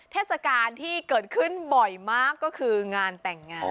เทศกาลที่เกิดขึ้นบ่อยมากก็คืองานแต่งงาน